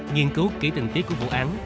nhiên cứu kỹ tình tiết của vụ án